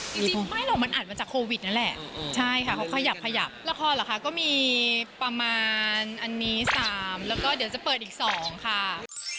จริงไม่หรอกมันอัดมาจากโควิดนั่นแหละใช่ค่ะเขาขยับขยับละครเหรอคะก็มีประมาณอันนี้๓แล้วก็เดี๋ยวจะเปิดอีก๒ค่ะ